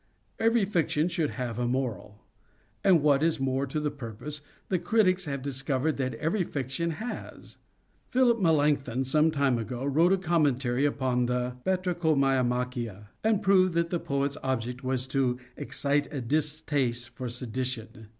Every fiction should have a moral; and, what is more to the purpose, the critics have discovered that every fiction has. Philip Melanchthon, some time ago, wrote a commentary upon the "Batrachomyomachia," and proved that the poet's object was to excite a distaste for sedition.